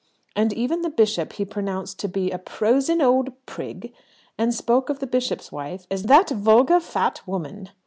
and even the bishop he pronounced to be a "prosin' old prig," and spoke of the bishop's wife as "that vulgar fat woman."